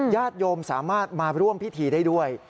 ญาติโยมสามารถมาร่วมพิธีได้ด้วย